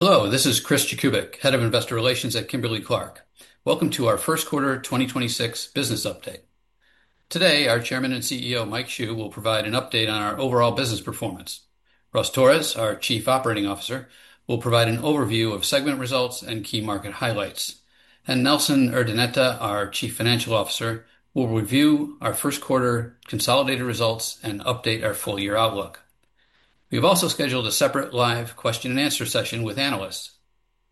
Hello, this is Chris Jakubik, Head of Investor Relations at Kimberly-Clark. Welcome to our first quarter 2026 business update. Today, our Chairman and CEO, Mike Hsu, will provide an update on our overall business performance. Russ Torres, our Chief Operating Officer, will provide an overview of segment results and key market highlights. Nelson Urdaneta, our Chief Financial Officer, will review our first quarter consolidated results and update our full year outlook. We have also scheduled a separate live question-and-answer session with analysts.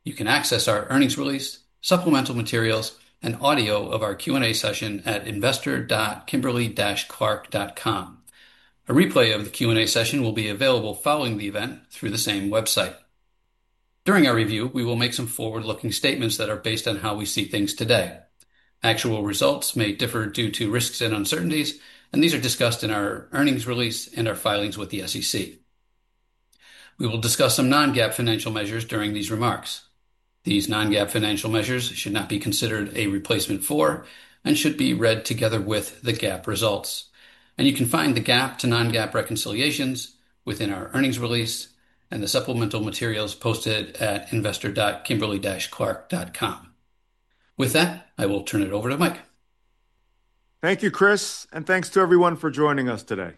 You can access our earnings release, supplemental materials, and audio of our Q&A session at investor.kimberly-clark.com. A replay of the Q&A session will be available following the event through the same website. During our review, we will make some forward-looking statements that are based on how we see things today. Actual results may differ due to risks and uncertainties, and these are discussed in our earnings release and our filings with the SEC. We will discuss some non-GAAP financial measures during these remarks. These non-GAAP financial measures should not be considered a replacement for, and should be read together with, the GAAP results. You can find the GAAP to non-GAAP reconciliations within our earnings release and the supplemental materials posted at investor.kimberly-clark.com. With that, I will turn it over to Mike. Thank you, Chris, and thanks to everyone for joining us today.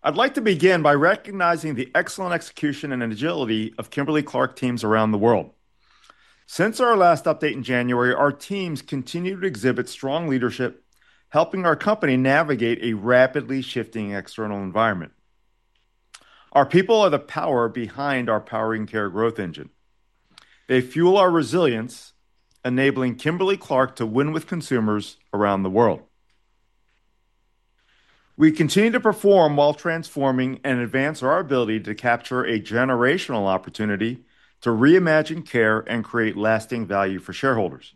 I'd like to begin by recognizing the excellent execution and agility of Kimberly-Clark teams around the world. Since our last update in January, our teams continue to exhibit strong leadership, helping our company navigate a rapidly shifting external environment. Our people are the power behind our Powering Care growth engine. They fuel our resilience, enabling Kimberly-Clark to win with consumers around the world. We continue to perform while transforming and advance our ability to capture a generational opportunity to reimagine care and create lasting value for shareholders.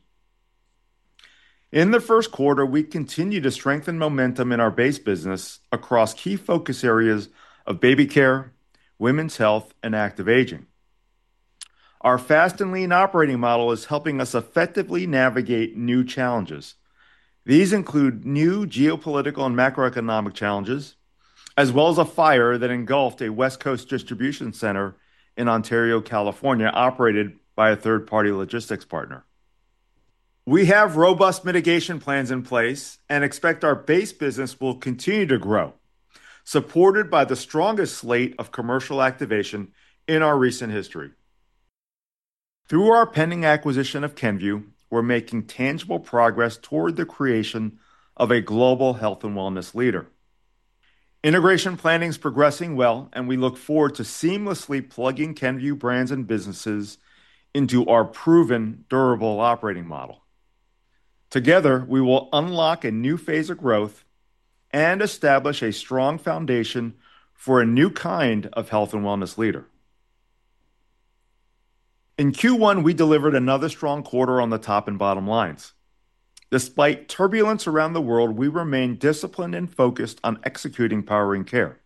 In the first quarter, we continued to strengthen momentum in our base business across key focus areas of baby care, women's health, and active aging. Our fast and lean operating model is helping us effectively navigate new challenges. These include new geopolitical and macroeconomic challenges, as well as a fire that engulfed a West Coast distribution center in Ontario, California, operated by a third-party logistics partner. We have robust mitigation plans in place and expect our base business will continue to grow, supported by the strongest slate of commercial activation in our recent history. Through our pending acquisition of Kenvue, we're making tangible progress toward the creation of a global health and wellness leader. Integration planning is progressing well, and we look forward to seamlessly plugging Kenvue brands and businesses into our proven durable operating model. Together, we will unlock a new phase of growth and establish a strong foundation for a new kind of health and wellness leader. In Q1, we delivered another strong quarter on the top and bottom lines. Despite turbulence around the world, we remain disciplined and focused on executing Powering Care.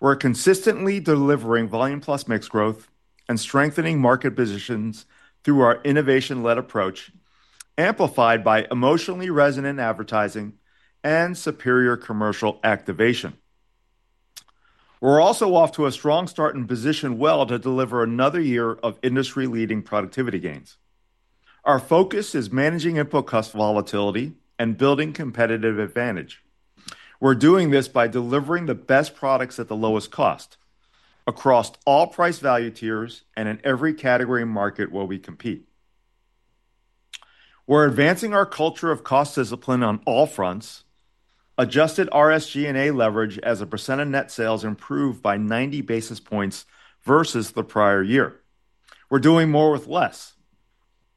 We're consistently delivering volume plus mix growth and strengthening market positions through our innovation-led approach, amplified by emotionally resonant advertising and superior commercial activation. We're also off to a strong start and positioned well to deliver another year of industry-leading productivity gains. Our focus is managing input cost volatility and building competitive advantage. We're doing this by delivering the best products at the lowest cost across all price value tiers and in every category and market where we compete. We're advancing our culture of cost discipline on all fronts. Adjusted SG&A leverage as a percent of net sales improved by 90 basis points versus the prior year. We're doing more with less.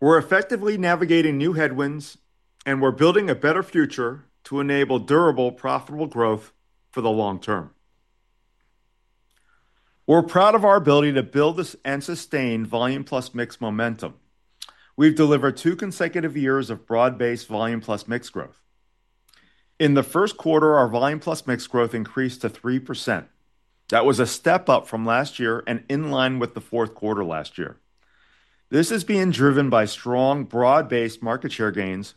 We're effectively navigating new headwinds, and we're building a better future to enable durable, profitable growth for the long term. We're proud of our ability to build this and sustain volume plus mix momentum. We've delivered two consecutive years of broad-based volume plus mix growth. In the first quarter, our volume plus mix growth increased to 3%. That was a step up from last year and in line with the fourth quarter last year. This is being driven by strong, broad-based market share gains,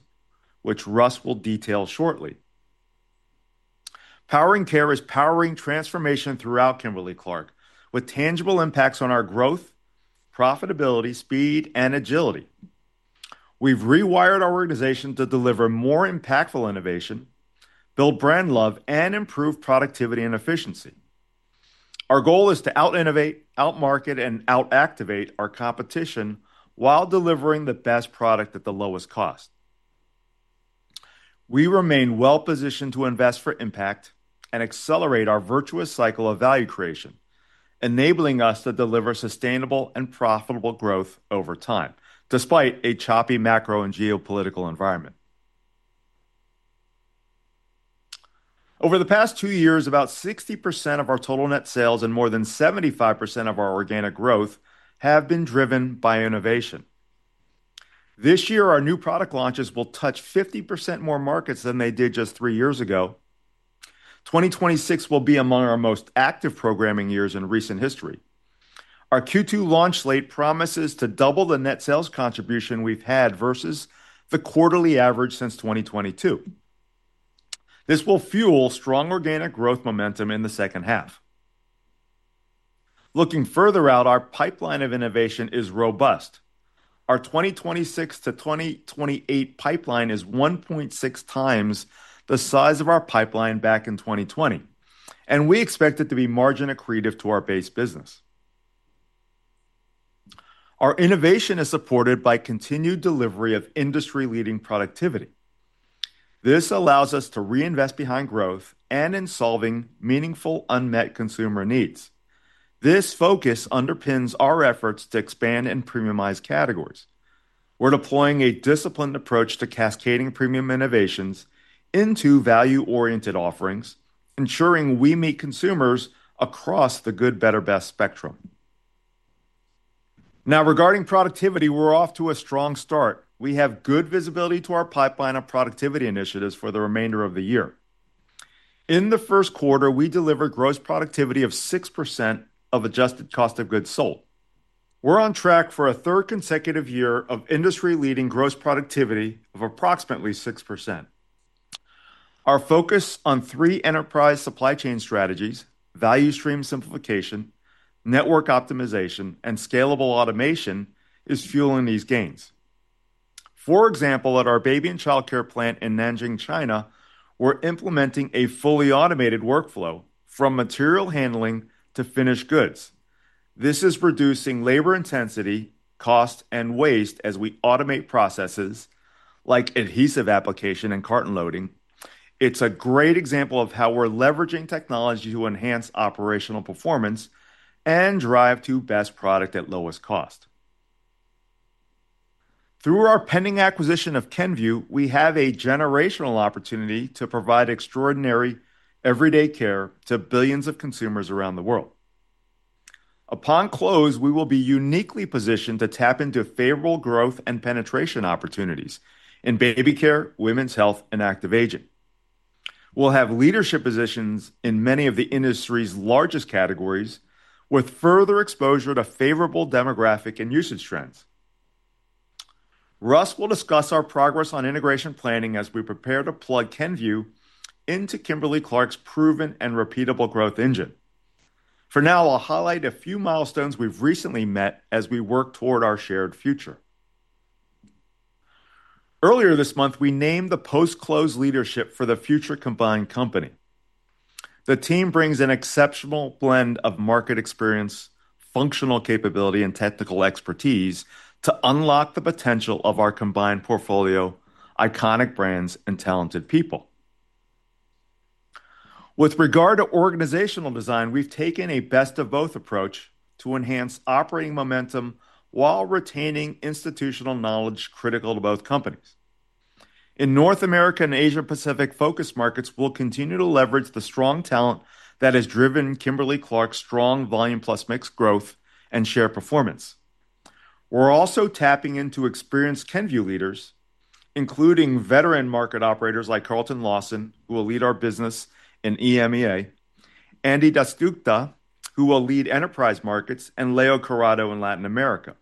which Russ will detail shortly. Powering Care is powering transformation throughout Kimberly-Clark, with tangible impacts on our growth, profitability, speed, and agility. We've rewired our organization to deliver more impactful innovation, build brand love, and improve productivity and efficiency. Our goal is to out-innovate, out-market, and out-activate our competition while delivering the best product at the lowest cost. We remain well-positioned to invest for impact and accelerate our virtuous cycle of value creation, enabling us to deliver sustainable and profitable growth over time, despite a choppy macro and geopolitical environment. Over the past two years, about 60% of our total net sales and more than 75% of our organic growth have been driven by innovation. This year, our new product launches will touch 50% more markets than they did just three years ago. 2026 will be among our most active programming years in recent history. Our Q2 launch slate promises to double the net sales contribution we've had versus the quarterly average since 2022. This will fuel strong organic growth momentum in the second half. Looking further out, our pipeline of innovation is robust. Our 2026 to 2028 pipeline is 1.6 times the size of our pipeline back in 2020, and we expect it to be margin accretive to our base business. Our innovation is supported by continued delivery of industry-leading productivity. This allows us to reinvest behind growth and in solving meaningful unmet consumer needs. This focus underpins our efforts to expand and premiumize categories. We're deploying a disciplined approach to cascading premium innovations into value-oriented offerings, ensuring we meet consumers across the good, better, best spectrum. Now, regarding productivity, we're off to a strong start. We have good visibility to our pipeline of productivity initiatives for the remainder of the year. In the first quarter, we delivered gross productivity of 6% of adjusted cost of goods sold. We're on track for a third consecutive year of industry-leading gross productivity of approximately 6%. Our focus on three enterprise supply chain strategies, value stream simplification, network optimization, and scalable automation, is fueling these gains. For example, at our baby and childcare plant in Nanjing, China, we're implementing a fully automated workflow from material handling to finished goods. This is reducing labor intensity, cost, and waste as we automate processes like adhesive application and carton loading. It's a great example of how we're leveraging technology to enhance operational performance and drive to best product at lowest cost. Through our pending acquisition of Kenvue, we have a generational opportunity to provide extraordinary everyday care to billions of consumers around the world. Upon close, we will be uniquely positioned to tap into favorable growth and penetration opportunities in baby care, women's health, and active aging. We'll have leadership positions in many of the industry's largest categories with further exposure to favorable demographic and usage trends. Russ will discuss our progress on integration planning as we prepare to plug Kenvue into Kimberly-Clark's proven and repeatable growth engine. For now, I'll highlight a few milestones we've recently met as we work toward our shared future. Earlier this month, we named the post-close leadership for the future combined company. The team brings an exceptional blend of market experience, functional capability, and technical expertise to unlock the potential of our combined portfolio, iconic brands, and talented people. With regard to organizational design, we've taken a best of both approach to enhance operating momentum while retaining institutional knowledge critical to both companies. In North America and Asia Pacific focus markets, we'll continue to leverage the strong talent that has driven Kimberly-Clark's strong volume plus mix growth and share performance. We're also tapping into experienced Kenvue leaders, including veteran market operators like Carlton Lawson, who will lead our business in EMEA, Anindya Dasgupta, who will lead enterprise markets, and Leonardo Curado in Latin America.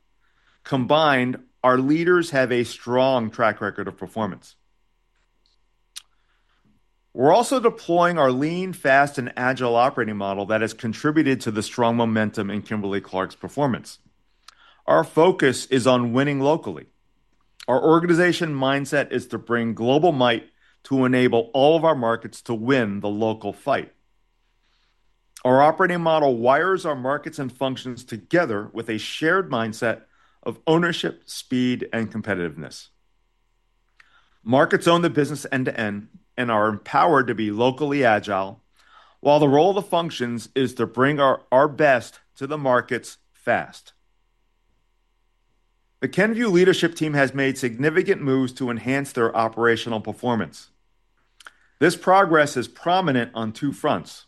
Combined, our leaders have a strong track record of performance. We're also deploying our lean, fast, and agile operating model that has contributed to the strong momentum in Kimberly-Clark's performance. Our focus is on winning locally. Our organization mindset is to bring global might to enable all of our markets to win the local fight. Our operating model wires our markets and functions together with a shared mindset of ownership, speed, and competitiveness. Markets own the business end-to-end and are empowered to be locally agile, while the role of the functions is to bring our best to the markets fast. The Kenvue leadership team has made significant moves to enhance their operational performance. This progress is prominent on two fronts.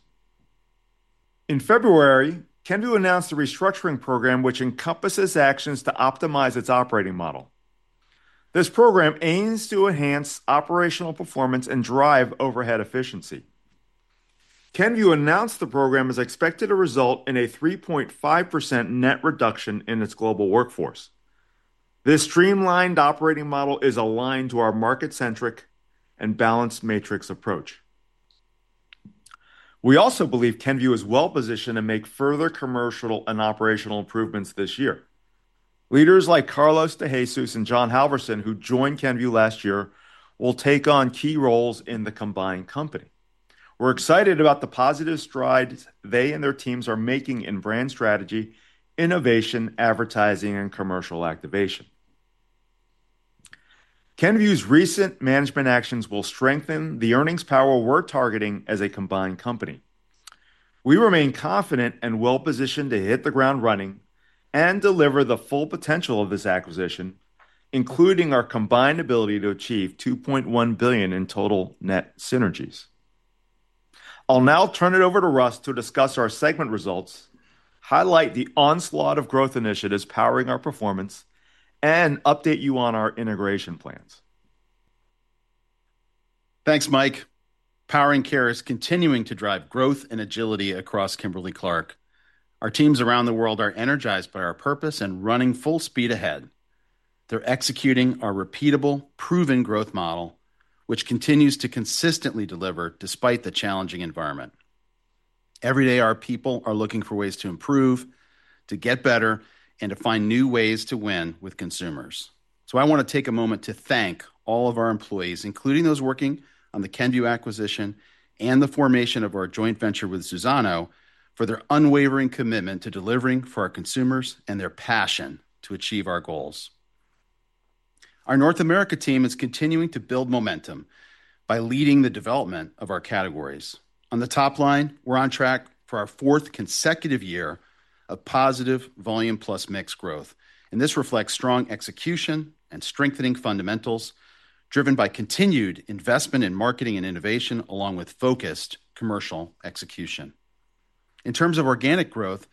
In February, Kenvue announced a restructuring program which encompasses actions to optimize its operating model. This program aims to enhance operational performance and drive overhead efficiency. Kenvue announced the program is expected to result in a 3.5% net reduction in its global workforce. This streamlined operating model is aligned to our market-centric and balanced matrix approach. We also believe Kenvue is well-positioned to make further commercial and operational improvements this year. Leaders like Carlos De Jesus and Jonathan Halvorson, who joined Kenvue last year, will take on key roles in the combined company. We're excited about the positive strides they and their teams are making in brand strategy, innovation, advertising, and commercial activation. Kenvue's recent management actions will strengthen the earnings power we're targeting as a combined company. We remain confident and well-positioned to hit the ground running and deliver the full potential of this acquisition, including our combined ability to achieve $2.1 billion in total net synergies. I'll now turn it over to Russ to discuss our segment results, highlight the onslaught of growth initiatives powering our performance, and update you on our integration plans. Thanks, Mike. Powering Care is continuing to drive growth and agility across Kimberly-Clark. Our teams around the world are energized by our purpose and running full speed ahead. They're executing our repeatable, proven growth model, which continues to consistently deliver despite the challenging environment. Every day, our people are looking for ways to improve, to get better, and to find new ways to win with consumers. I wanna take a moment to thank all of our employees, including those working on the Kenvue acquisition and the formation of our joint venture with Suzano, for their unwavering commitment to delivering for our consumers and their passion to achieve our goals. Our North America team is continuing to build momentum by leading the development of our categories. On the top line, we're on track for our fourth consecutive year of positive volume plus mix growth, and this reflects strong execution and strengthening fundamentals driven by continued investment in marketing and innovation, along with focused commercial execution. In terms of organic growth,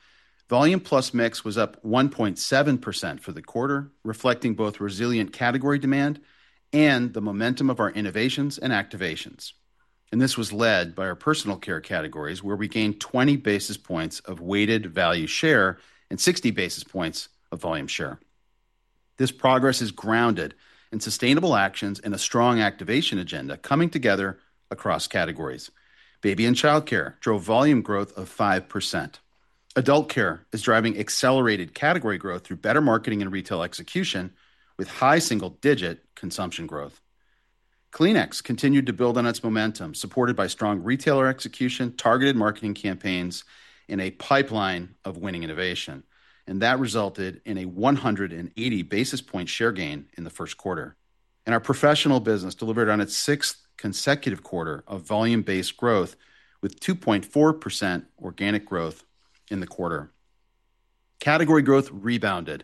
volume plus mix was up 1.7% for the quarter, reflecting both resilient category demand and the momentum of our innovations and activations. This was led by our personal care categories, where we gained 20 basis points of weighted value share and 60 basis points of volume share. This progress is grounded in sustainable actions and a strong activation agenda coming together across categories. Baby and childcare drove volume growth of 5%. Adult care is driving accelerated category growth through better marketing and retail execution with high single-digit consumption growth. Kleenex continued to build on its momentum, supported by strong retailer execution, targeted marketing campaigns, and a pipeline of winning innovation, and that resulted in a 180 basis point share gain in the first quarter. Our Professional business delivered on its sixth consecutive quarter of volume-based growth with 2.4% organic growth in the quarter. Category growth rebounded.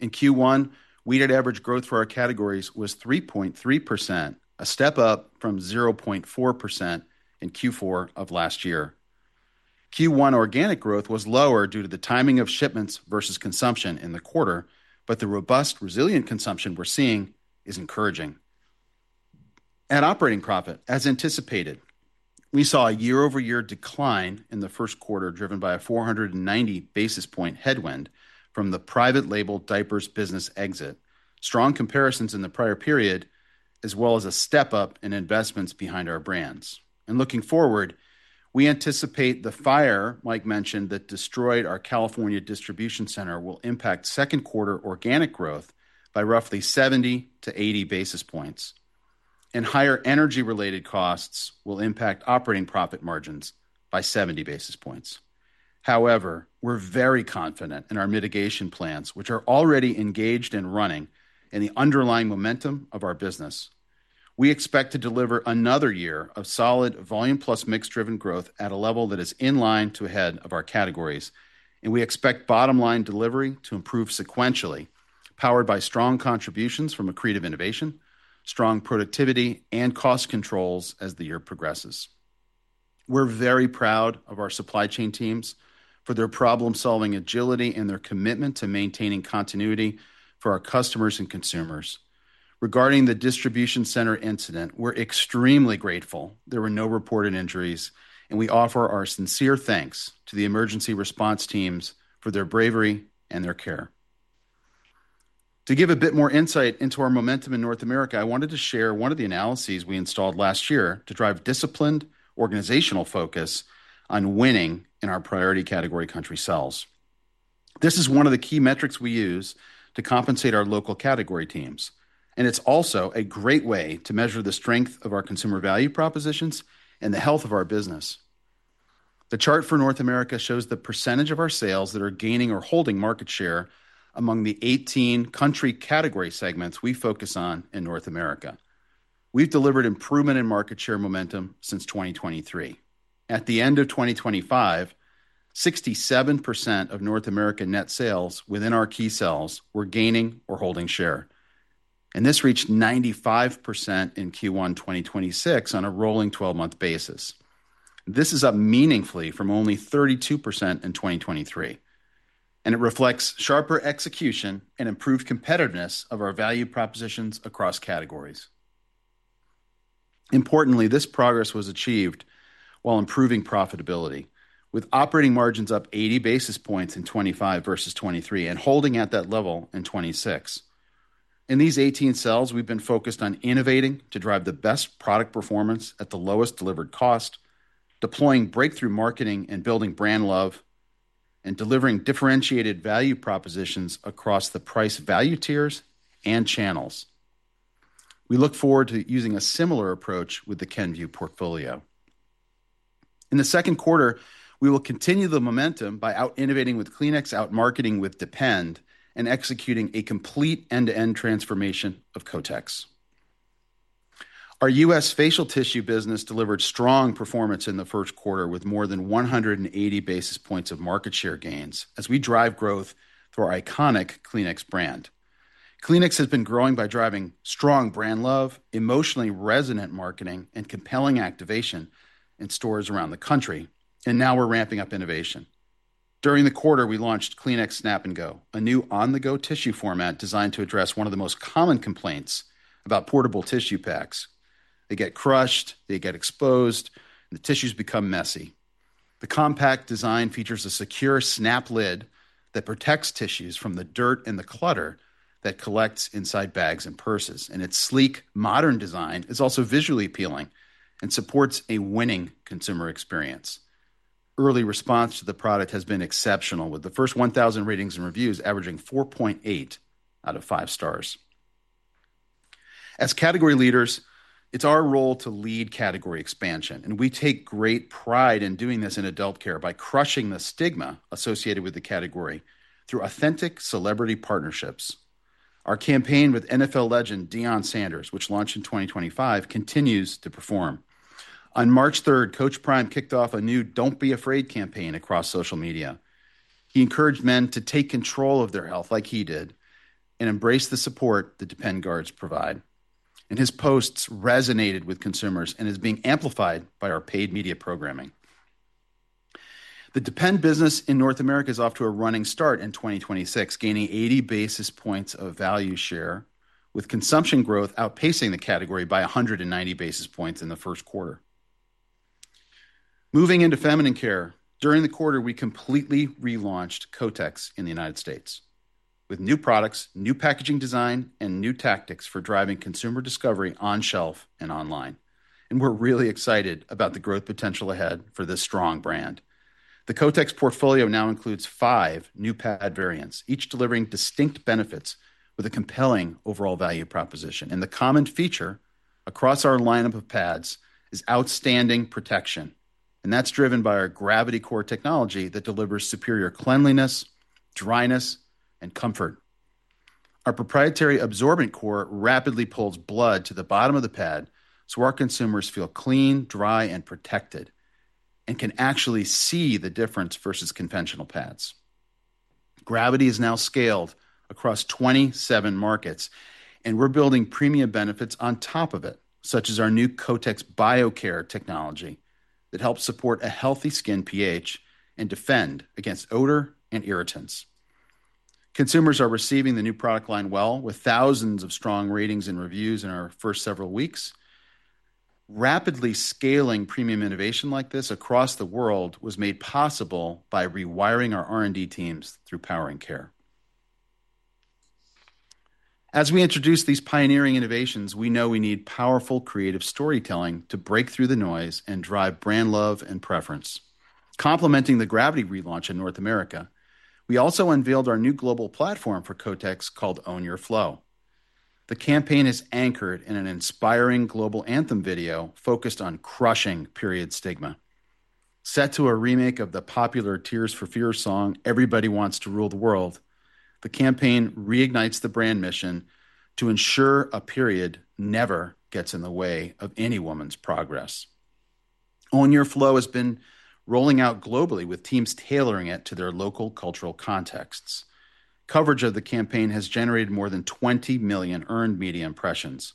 In Q1, weighted average growth for our categories was 3.3%, a step up from 0.4% in Q4 of last year. Q1 organic growth was lower due to the timing of shipments versus consumption in the quarter, but the robust, resilient consumption we're seeing is encouraging. At operating profit, as anticipated, we saw a year-over-year decline in the first quarter, driven by a 490 basis point headwind from the private label diapers business exit, strong comparisons in the prior period, as well as a step-up in investments behind our brands. Looking forward, we anticipate the fire Mike mentioned that destroyed our California distribution center will impact second quarter organic growth by roughly 70 basis points-80 basis points, and higher energy-related costs will impact operating profit margins by 70 basis points. However, we're very confident in our mitigation plans, which are already engaged and running, and the underlying momentum of our business. We expect to deliver another year of solid volume plus mix-driven growth at a level that is in line with or ahead of our categories, and we expect bottom-line delivery to improve sequentially, powered by strong contributions from accretive innovation, strong productivity, and cost controls as the year progresses. We're very proud of our supply chain teams for their problem-solving agility and their commitment to maintaining continuity for our customers and consumers. Regarding the distribution center incident, we're extremely grateful there were no reported injuries, and we offer our sincere thanks to the emergency response teams for their bravery and their care. To give a bit more insight into our momentum in North America, I wanted to share one of the analytics we installed last year to drive disciplined organizational focus on winning in our priority category country cells. This is one of the key metrics we use to compensate our local category teams, and it's also a great way to measure the strength of our consumer value propositions and the health of our business. The chart for North America shows the percentage of our sales that are gaining or holding market share among the 18 country category segments we focus on in North America. We've delivered improvement in market share momentum since 2023. At the end of 2025, 67% of North American net sales within our key cells were gaining or holding share, and this reached 95% in Q1 2026 on a rolling 12-month basis. This is up meaningfully from only 32% in 2023, and it reflects sharper execution and improved competitiveness of our value propositions across categories. Importantly, this progress was achieved while improving profitability, with operating margins up 80 basis points in 2025 versus 2023 and holding at that level in 2026. In these 18 cells, we've been focused on innovating to drive the best product performance at the lowest delivered cost, deploying breakthrough marketing and building brand love, and delivering differentiated value propositions across the price value tiers and channels. We look forward to using a similar approach with the Kenvue portfolio. In the second quarter, we will continue the momentum by out-innovating with Kleenex, out-marketing with Depend, and executing a complete end-to-end transformation of Kotex. Our U.S. facial tissue business delivered strong performance in the first quarter, with more than 180 basis points of market share gains as we drive growth through our iconic Kleenex brand. Kleenex has been growing by driving strong brand love, emotionally resonant marketing, and compelling activation in stores around the country, and now we're ramping up innovation. During the quarter, we launched Kleenex Snap & Go, a new on-the-go tissue format designed to address one of the most common complaints about portable tissue packs. They get crushed, they get exposed, the tissues become messy. The compact design features a secure snap lid that protects tissues from the dirt and the clutter that collects inside bags and purses. Its sleek, modern design is also visually appealing and supports a winning consumer experience. Early response to the product has been exceptional, with the first 1,000 ratings and reviews averaging 4.8 out of five stars. As category leaders, it's our role to lead category expansion, and we take great pride in doing this in adult care by crushing the stigma associated with the category through authentic celebrity partnerships. Our campaign with NFL legend Deion Sanders, which launched in 2025, continues to perform. On March 3rd, Coach Prime kicked off a new Don't Be Afraid campaign across social media. He encouraged men to take control of their health like he did and embrace the support the Depend guards provide. His posts resonated with consumers and is being amplified by our paid media programming. The Depend business in North America is off to a running start in 2026, gaining 80 basis points of value share, with consumption growth outpacing the category by 190 basis points in the first quarter. Moving into feminine care, during the quarter, we completely relaunched Kotex in the United States with new products, new packaging design, and new tactics for driving consumer discovery on shelf and online. We're really excited about the growth potential ahead for this strong brand. The Kotex portfolio now includes five new pad variants, each delivering distinct benefits with a compelling overall value proposition. The common feature across our lineup of pads is outstanding protection, and that's driven by our Gravity core technology that delivers superior cleanliness, dryness, and comfort. Our proprietary absorbent core rapidly pulls blood to the bottom of the pad so our consumers feel clean, dry, and protected, and can actually see the difference versus conventional pads. Gravity is now scaled across 27 markets, and we're building premium benefits on top of it, such as our new Kotex BioCare technology that helps support a healthy skin pH and defend against odor and irritants. Consumers are receiving the new product line well, with thousands of strong ratings and reviews in our first several weeks. Rapidly scaling premium innovation like this across the world was made possible by rewiring our R&D teams through Powering Care. As we introduce these pioneering innovations, we know we need powerful creative storytelling to break through the noise and drive brand love and preference. Complementing the Gravity relaunch in North America, we also unveiled our new global platform for Kotex called Own Your Flow. The campaign is anchored in an inspiring global anthem video focused on crushing period stigma. Set to a remake of the popular Tears for Fears song, Everybody Wants to Rule the World, the campaign reignites the brand mission to ensure a period never gets in the way of any woman's progress. Own Your Flow has been rolling out globally with teams tailoring it to their local cultural contexts. Coverage of the campaign has generated more than 20 million earned media impressions.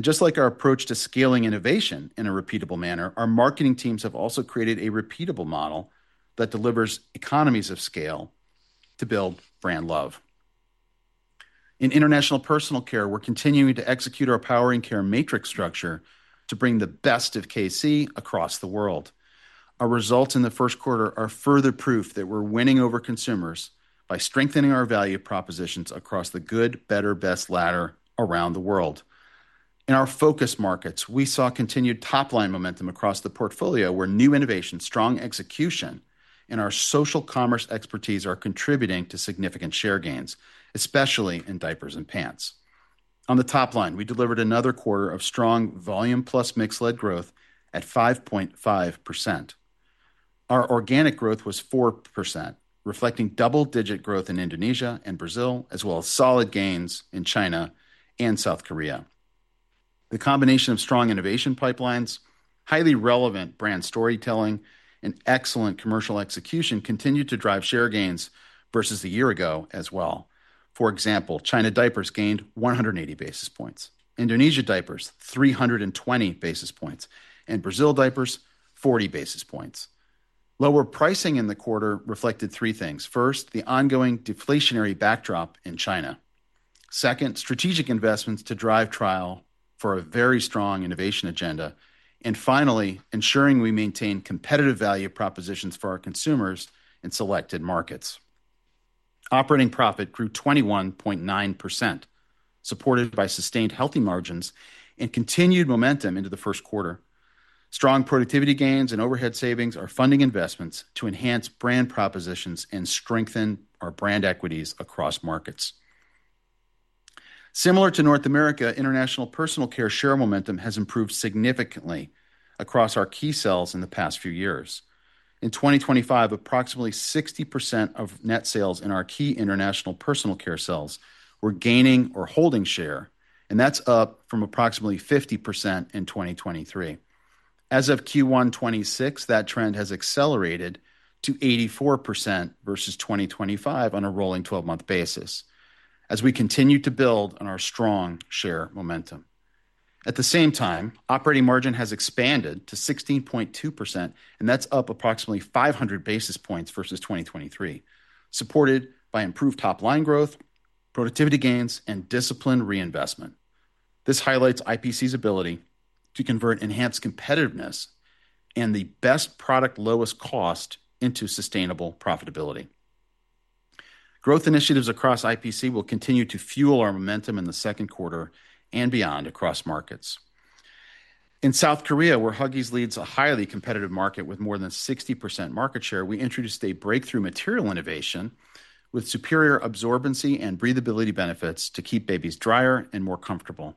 Just like our approach to scaling innovation in a repeatable manner, our marketing teams have also created a repeatable model that delivers economies of scale to build brand love. In international personal care, we're continuing to execute our Powering Care matrix structure to bring the best of KC across the world. Our results in the first quarter are further proof that we're winning over consumers by strengthening our value propositions across the good, better, best ladder around the world. In our focus markets, we saw continued top-line momentum across the portfolio where new innovation, strong execution, and our social commerce expertise are contributing to significant share gains, especially in diapers and pants. On the top line, we delivered another quarter of strong volume plus mix-led growth at 5.5%. Our organic growth was 4%, reflecting double-digit growth in Indonesia and Brazil, as well as solid gains in China and South Korea. The combination of strong innovation pipelines, highly relevant brand storytelling, and excellent commercial execution continued to drive share gains versus a year ago as well. For example, China diapers gained 180 basis points, Indonesia diapers, 320 basis points, and Brazil diapers, 40 basis points. Lower pricing in the quarter reflected three things. First, the ongoing deflationary backdrop in China. Second, strategic investments to drive trial for a very strong innovation agenda. Finally, ensuring we maintain competitive value propositions for our consumers in selected markets. Operating profit grew 21.9%, supported by sustained healthy margins and continued momentum into the first quarter. Strong productivity gains and overhead savings are funding investments to enhance brand propositions and strengthen our brand equities across markets. Similar to North America, international personal care share momentum has improved significantly across our key sales in the past few years. In 2025, approximately 60% of net sales in our key international personal care sales were gaining or holding share, and that's up from approximately 50% in 2023. As of Q1 2026, that trend has accelerated to 84% versus 2025 on a rolling 12-month basis as we continue to build on our strong share momentum. At the same time, operating margin has expanded to 16.2%, and that's up approximately 500 basis points versus 2023, supported by improved top-line growth, productivity gains, and disciplined reinvestment. This highlights IPC's ability to convert enhanced competitiveness and the best product lowest cost into sustainable profitability. Growth initiatives across IPC will continue to fuel our momentum in the second quarter and beyond across markets. In South Korea, where Huggies leads a highly competitive market with more than 60% market share, we introduced a breakthrough material innovation with superior absorbency and breathability benefits to keep babies drier and more comfortable.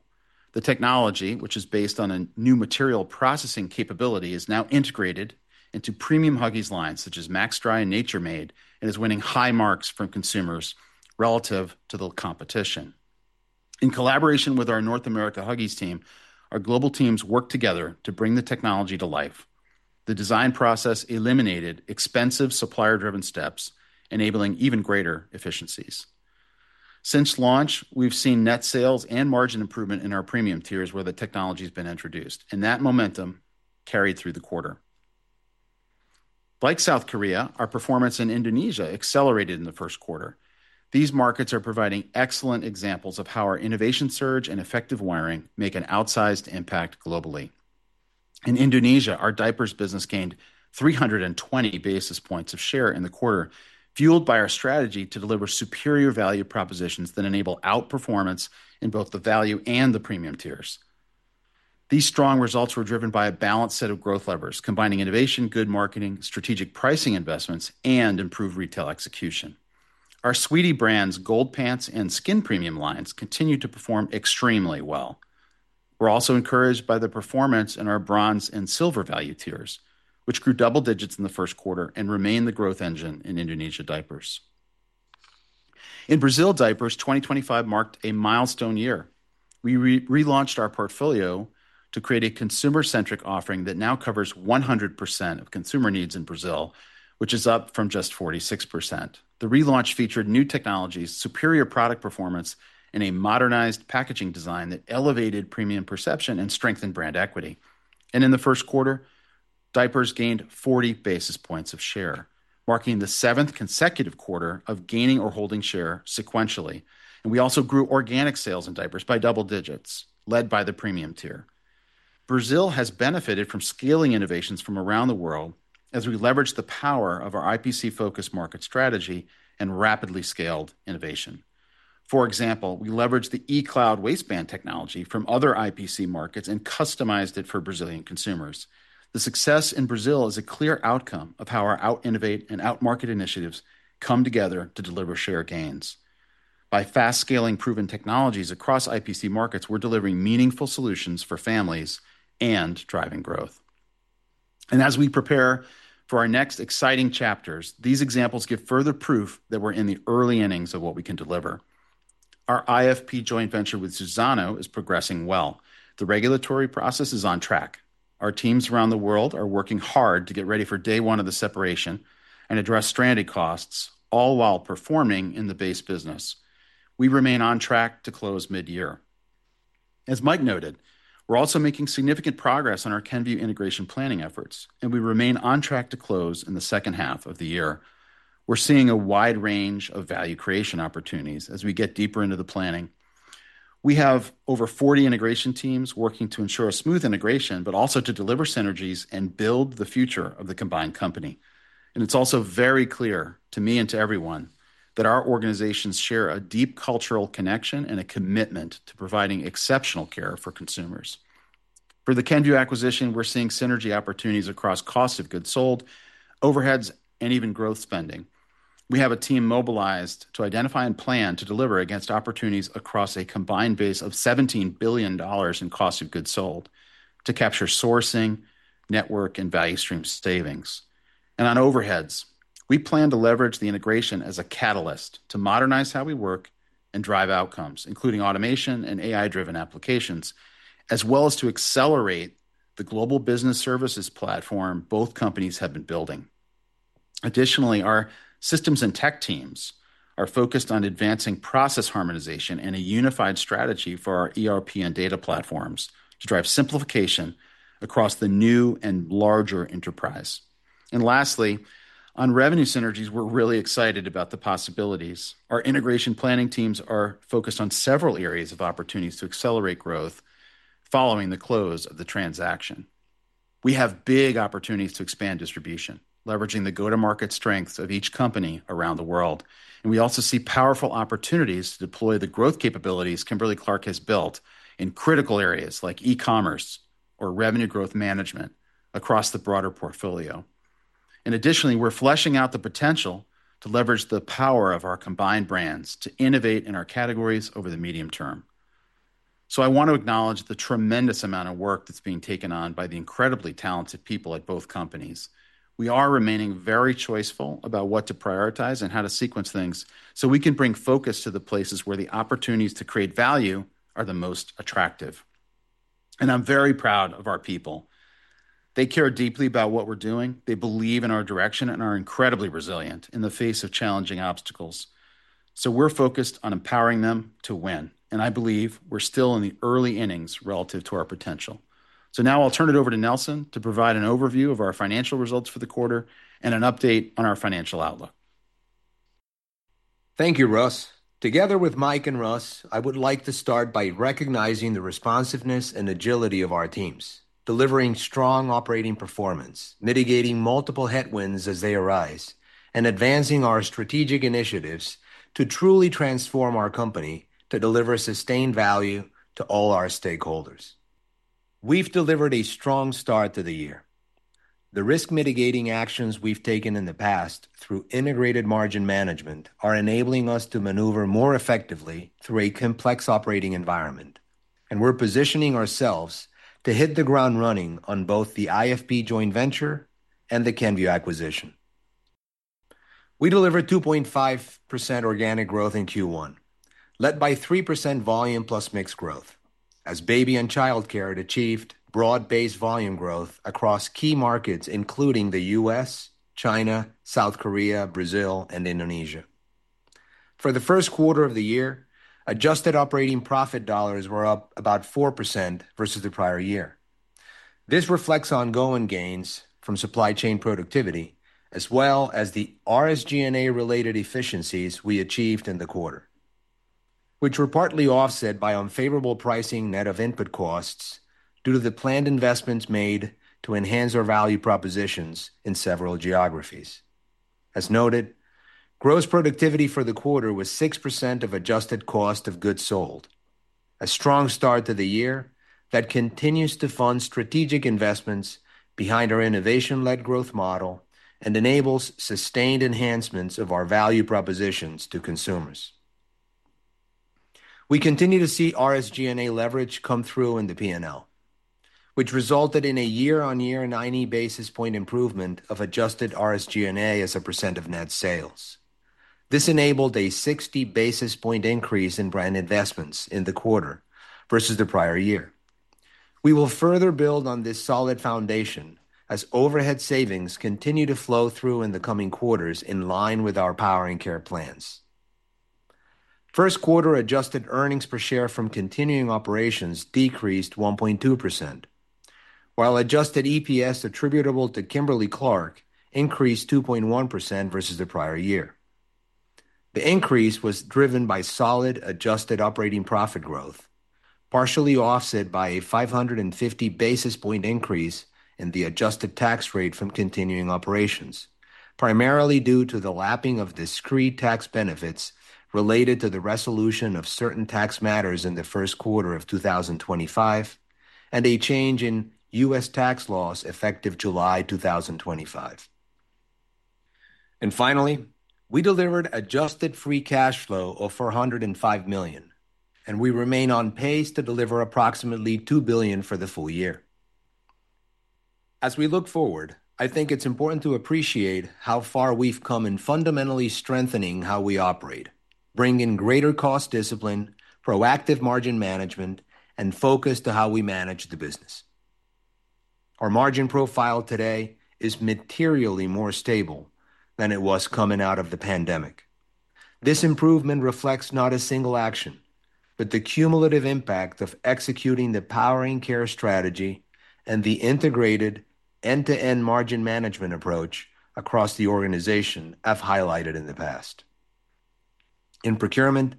The technology, which is based on a new material processing capability, is now integrated into premium Huggies lines such as Max Dry and Naturemade, and is winning high marks from consumers relative to the competition. In collaboration with our North America Huggies team, our global teams worked together to bring the technology to life. The design process eliminated expensive supplier-driven steps, enabling even greater efficiencies. Since launch, we've seen net sales and margin improvement in our premium tiers where the technology has been introduced, and that momentum carried through the quarter. Like South Korea, our performance in Indonesia accelerated in the first quarter. These markets are providing excellent examples of how our innovation surge and effective wiring make an outsized impact globally. In Indonesia, our diapers business gained 320 basis points of share in the quarter, fueled by our strategy to deliver superior value propositions that enable outperformance in both the value and the premium tiers. These strong results were driven by a balanced set of growth levers, combining innovation, good marketing, strategic pricing investments, and improved retail execution. Our Sweety brand's Gold Pants and Skin Premium lines continue to perform extremely well. We're also encouraged by the performance in our Bronze and Silver value tiers, which grew double digits in the first quarter and remain the growth engine in Indonesia diapers. In Brazil diapers, 2025 marked a milestone year. We relaunched our portfolio to create a consumer-centric offering that now covers 100% of consumer needs in Brazil, which is up from just 46%. The relaunch featured new technologies, superior product performance, and a modernized packaging design that elevated premium perception and strengthened brand equity. In the first quarter, diapers gained 40 basis points of share, marking the seventh consecutive quarter of gaining or holding share sequentially. We also grew organic sales in diapers by double digits, led by the premium tier. Brazil has benefited from scaling innovations from around the world as we leverage the power of our IPC-focused market strategy and rapidly scaled innovation. For example, we leveraged the E-Cloud waistband technology from other IPC markets and customized it for Brazilian consumers. The success in Brazil is a clear outcome of how our out innovate and out market initiatives come together to deliver share gains. By fast scaling proven technologies across IPC markets, we're delivering meaningful solutions for families and driving growth. As we prepare for our next exciting chapters, these examples give further proof that we're in the early innings of what we can deliver. Our IFP joint venture with Suzano is progressing well. The regulatory process is on track. Our teams around the world are working hard to get ready for day one of the separation and address stranded costs, all while performing in the base business. We remain on track to close mid-year. As Mike noted, we're also making significant progress on our Kenvue integration planning efforts, and we remain on track to close in the second half of the year. We're seeing a wide range of value creation opportunities as we get deeper into the planning. We have over 40 integration teams working to ensure a smooth integration, but also to deliver synergies and build the future of the combined company. It's also very clear to me and to everyone that our organizations share a deep cultural connection and a commitment to providing exceptional care for consumers. For the Kenvue acquisition, we're seeing synergy opportunities across cost of goods sold, overheads, and even growth spending. We have a team mobilized to identify and plan to deliver against opportunities across a combined base of $17 billion in cost of goods sold to capture sourcing, network, and value stream savings. On overheads, we plan to leverage the integration as a catalyst to modernize how we work and drive outcomes, including automation and AI-driven applications, as well as to accelerate the global business services platform both companies have been building. Additionally, our systems and tech teams are focused on advancing process harmonization and a unified strategy for our ERP and data platforms to drive simplification across the new and larger enterprise. Lastly, on revenue synergies, we're really excited about the possibilities. Our integration planning teams are focused on several areas of opportunities to accelerate growth following the close of the transaction. We have big opportunities to expand distribution, leveraging the go-to-market strengths of each company around the world, and we also see powerful opportunities to deploy the growth capabilities Kimberly-Clark has built in critical areas like e-commerce or revenue growth management across the broader portfolio. Additionally, we're fleshing out the potential to leverage the power of our combined brands to innovate in our categories over the medium term. I want to acknowledge the tremendous amount of work that's being taken on by the incredibly talented people at both companies. We are remaining very choiceful about what to prioritize and how to sequence things so we can bring focus to the places where the opportunities to create value are the most attractive. I'm very proud of our people. They care deeply about what we're doing. They believe in our direction and are incredibly resilient in the face of challenging obstacles. We're focused on empowering them to win, and I believe we're still in the early innings relative to our potential. Now I'll turn it over to Nelson to provide an overview of our financial results for the quarter and an update on our financial outlook. Thank you, Russ. Together with Mike and Russ, I would like to start by recognizing the responsiveness and agility of our teams, delivering strong operating performance, mitigating multiple headwinds as they arise, and advancing our strategic initiatives to truly transform our company to deliver sustained value to all our stakeholders. We've delivered a strong start to the year. The risk mitigating actions we've taken in the past through integrated margin management are enabling us to maneuver more effectively through a complex operating environment, and we're positioning ourselves to hit the ground running on both the IFP joint venture and the Kenvue acquisition. We delivered 2.5% organic growth in Q1, led by 3% volume plus mix growth. As baby and childcare had achieved broad-based volume growth across key markets, including the U.S., China, South Korea, Brazil and Indonesia. For the first quarter of the year, adjusted operating profit dollars were up about 4% versus the prior year. This reflects ongoing gains from supply chain productivity, as well as the SG&A-related efficiencies we achieved in the quarter, which were partly offset by unfavorable pricing net of input costs due to the planned investments made to enhance our value propositions in several geographies. As noted, gross productivity for the quarter was 6% of adjusted cost of goods sold, a strong start to the year that continues to fund strategic investments behind our innovation-led growth model and enables sustained enhancements of our value propositions to consumers. We continue to see SG&A leverage come through in the P&L, which resulted in a year-on-year 90 basis point improvement of adjusted SG&A as a percent of net sales. This enabled a 60 basis point increase in brand investments in the quarter versus the prior year. We will further build on this solid foundation as overhead savings continue to flow through in the coming quarters in line with our Powering Care plans. First quarter adjusted earnings per share from continuing operations decreased 1.2%, while adjusted EPS attributable to Kimberly-Clark increased 2.1% versus the prior year. The increase was driven by solid adjusted operating profit growth, partially offset by a 550 basis point increase in the adjusted tax rate from continuing operations, primarily due to the lapping of discrete tax benefits related to the resolution of certain tax matters in the first quarter of 2025 and a change in U.S. tax laws effective July 2025. Finally, we delivered adjusted free cash flow of $405 million, and we remain on pace to deliver approximately $2 billion for the full year. As we look forward, I think it's important to appreciate how far we've come in fundamentally strengthening how we operate, bringing greater cost discipline, proactive margin management, and focus to how we manage the business. Our margin profile today is materially more stable than it was coming out of the pandemic. This improvement reflects not a single action, but the cumulative impact of executing the Powering Care strategy and the integrated end-to-end margin management approach across the organization I've highlighted in the past. In procurement,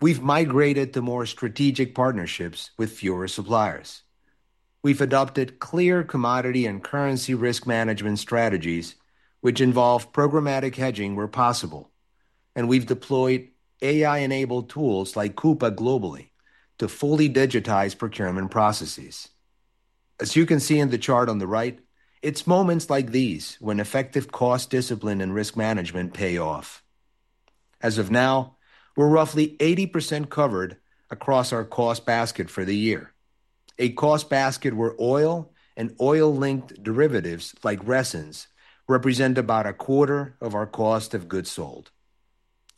we've migrated to more strategic partnerships with fewer suppliers. We've adopted clear commodity and currency risk management strategies which involve programmatic hedging where possible, and we've deployed AI-enabled tools like Coupa globally to fully digitize procurement processes. As you can see in the chart on the right, it's moments like these when effective cost discipline and risk management pay off. As of now, we're roughly 80% covered across our cost basket for the year, a cost basket where oil and oil-linked derivatives like resins represent about a quarter of our cost of goods sold.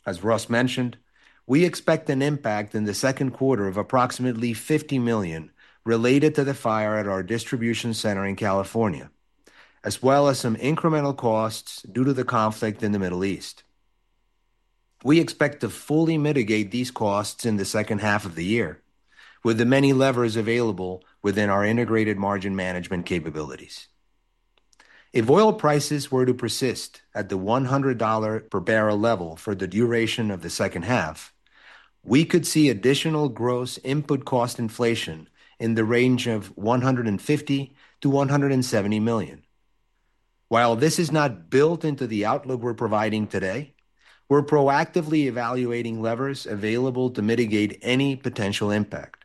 As Russ mentioned, we expect an impact in the second quarter of approximately $50 million related to the fire at our distribution center in California, as well as some incremental costs due to the conflict in the Middle East. We expect to fully mitigate these costs in the second half of the year with the many levers available within our integrated margin management capabilities. If oil prices were to persist at the $100 per barrel level for the duration of the second half, we could see additional gross input cost inflation in the range of $150 million-$170 million. While this is not built into the outlook we're providing today, we're proactively evaluating levers available to mitigate any potential impact.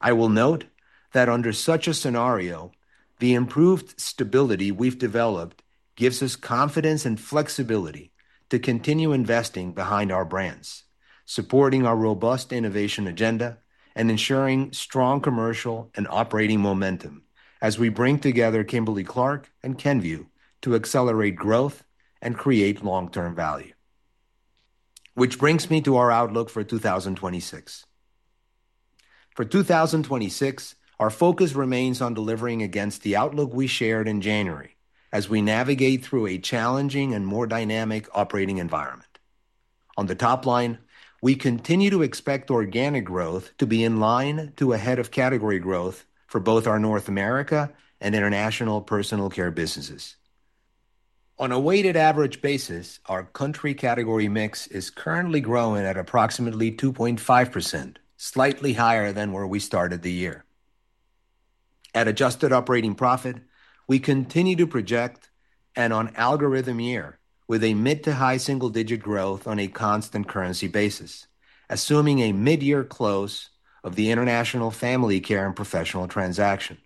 I will note that under such a scenario, the improved stability we've developed gives us confidence and flexibility to continue investing behind our brands, supporting our robust innovation agenda and ensuring strong commercial and operating momentum as we bring together Kimberly-Clark and Kenvue to accelerate growth and create long-term value. Which brings me to our outlook for 2026. For 2026, our focus remains on delivering against the outlook we shared in January as we navigate through a challenging and more dynamic operating environment. On the top line, we continue to expect organic growth to be in line to ahead of category growth for both our North America and international personal care businesses. On a weighted average basis, our country category mix is currently growing at approximately 2.5%, slightly higher than where we started the year. At adjusted operating profit, we continue to project an on-algorithm year with a mid- to high single-digit growth on a constant currency basis, assuming a mid-year close of the International Family Care and Professional transaction.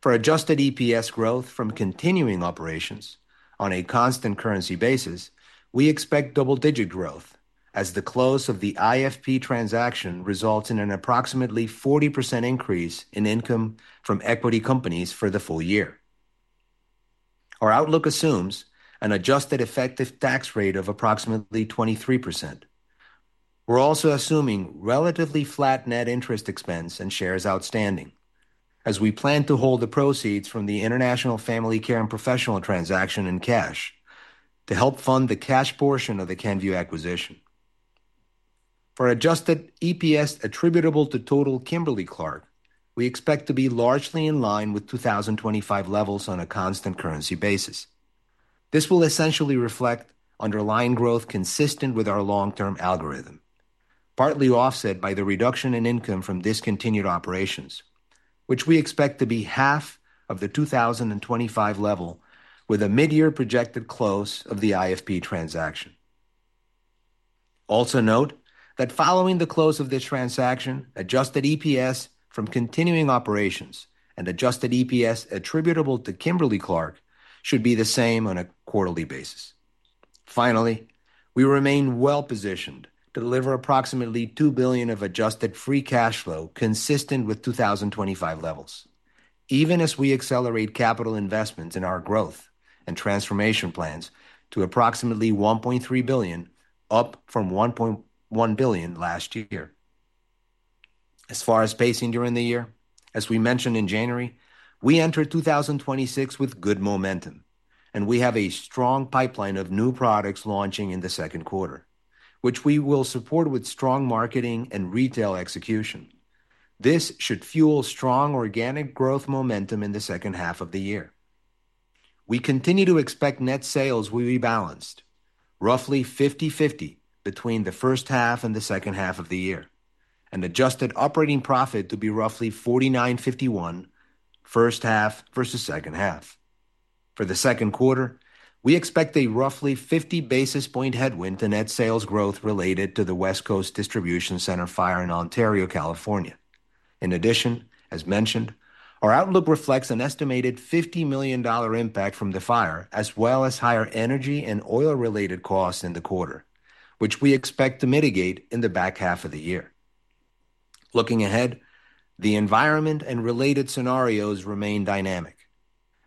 For adjusted EPS growth from continuing operations on a constant currency basis, we expect double-digit growth as the close of the IFP transaction results in an approximately 40% increase in income from equity companies for the full year. Our outlook assumes an adjusted effective tax rate of approximately 23%. We're also assuming relatively flat net interest expense and shares outstanding as we plan to hold the proceeds from the International Family Care and Professional transaction in cash to help fund the cash portion of the Kenvue acquisition. For adjusted EPS attributable to total Kimberly-Clark, we expect to be largely in line with 2025 levels on a constant currency basis. This will essentially reflect underlying growth consistent with our long-term algorithm, partly offset by the reduction in income from discontinued operations, which we expect to be 1/2 of the 2025 level with a mid-year projected close of the IFP transaction. Also note that following the close of this transaction, adjusted EPS from continuing operations and adjusted EPS attributable to Kimberly-Clark should be the same on a quarterly basis. Finally, we remain well-positioned to deliver approximately $2 billion of adjusted free cash flow consistent with 2025 levels, even as we accelerate capital investments in our growth and transformation plans to approximately $1.3 billion, up from $1.1 billion last year. As far as pacing during the year, as we mentioned in January, we entered 2026 with good momentum, and we have a strong pipeline of new products launching in the second quarter, which we will support with strong marketing and retail execution. This should fuel strong organic growth momentum in the second half of the year. We continue to expect net sales will be balanced roughly 50/50 between the first half and the second half of the year, and adjusted operating profit to be roughly 49/51 first half versus second half. For the second quarter, we expect a roughly 50 basis points headwind to net sales growth related to the West Coast distribution center fire in Ontario, California. In addition, as mentioned, our outlook reflects an estimated $50 million impact from the fire, as well as higher energy and oil-related costs in the quarter, which we expect to mitigate in the back half of the year. Looking ahead, the environment and related scenarios remain dynamic.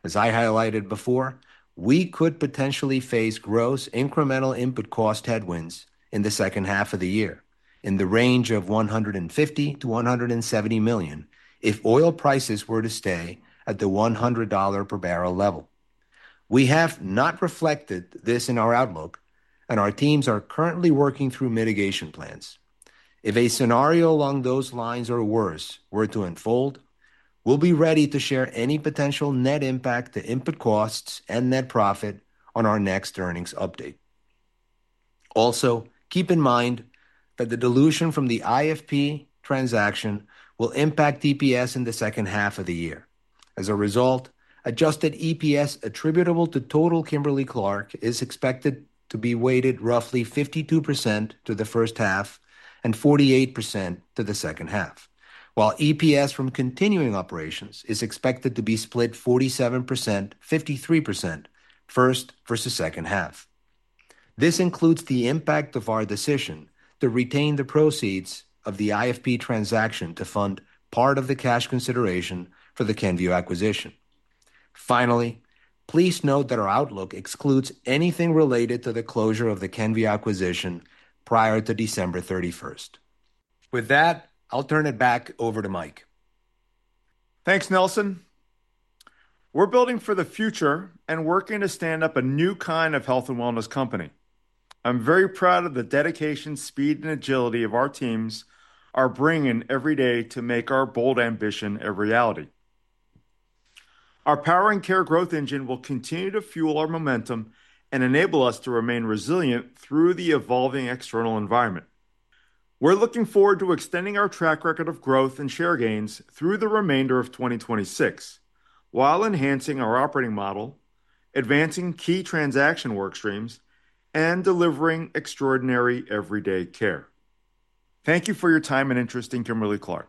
As I highlighted before, we could potentially face gross incremental input cost headwinds in the second half of the year in the range of $150 million-$170 million if oil prices were to stay at the $100 per barrel level. We have not reflected this in our outlook, and our teams are currently working through mitigation plans. If a scenario along those lines or worse were to unfold, we'll be ready to share any potential net impact to input costs and net profit on our next earnings update. Also, keep in mind that the dilution from the IFP transaction will impact EPS in the second half of the year. As a result, adjusted EPS attributable to total Kimberly-Clark is expected to be weighted roughly 52% to the first half and 48% to the second half, while EPS from continuing operations is expected to be split 47%, 53% first versus second half. This includes the impact of our decision to retain the proceeds of the IFP transaction to fund part of the cash consideration for the Kenvue acquisition. Finally, please note that our outlook excludes anything related to the closure of the Kenvue acquisition prior to December 31st. With that, I'll turn it back over to Mike. Thanks, Nelson. We're building for the future and working to stand up a new kind of health and wellness company. I'm very proud of the dedication, speed, and agility that our teams are bringing every day to make our bold ambition a reality. Our Powering Care growth engine will continue to fuel our momentum and enable us to remain resilient through the evolving external environment. We're looking forward to extending our track record of growth and share gains through the remainder of 2026, while enhancing our operating model, advancing key transaction work streams, and delivering extraordinary everyday care. Thank you for your time and interest in Kimberly-Clark.